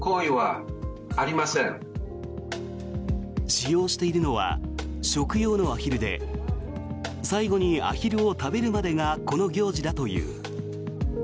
使用しているのは食用のアヒルで最後にアヒルを食べるまでがこの行事だという。